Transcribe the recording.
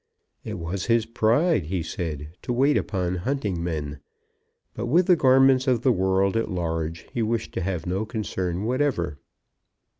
It was his pride, he said, to wait upon hunting men, but with the garments of the world at large he wished to have no concern whatever.